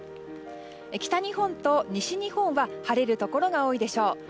北日本と西日本は晴れるところが多いでしょう。